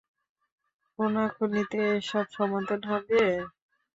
খুনাখুনিতে এসব সমাধান হবে?